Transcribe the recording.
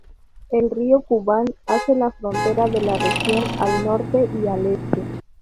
El río Kubán hace de frontera de la región al norte y al este.